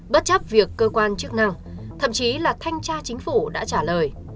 bất chấp việc cơ quan chức năng thậm chí là thanh tra chính phủ đã trả lời